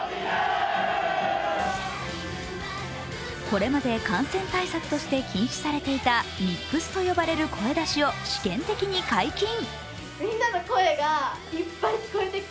これまで感染対策として禁止ささていたミックスと呼ばれる声出しを試験的に解禁。